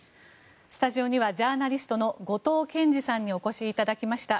スタジオにはジャーナリストの後藤謙次さんにお越しいただきました。